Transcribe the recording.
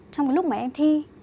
trong lúc mà em thi